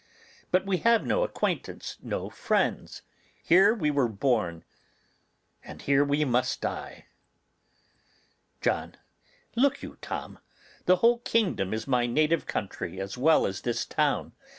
But we have no acquaintance, no friends. Here we were born, and here we must die. John. Look you, Tom, the whole kingdom is my native country as well as this town.